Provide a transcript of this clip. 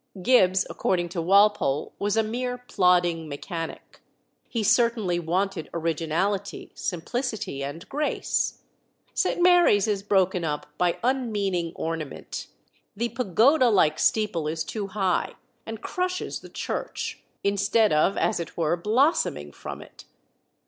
Gibbs, according to Walpole, was a mere plodding mechanic. He certainly wanted originality, simplicity, and grace. St. Mary's is broken up by unmeaning ornament; the pagoda like steeple is too high, and crushes the church, instead of as it were blossoming from it.